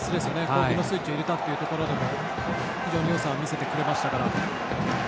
攻撃のスイッチを入れたところでも非常によさを見せてくれました。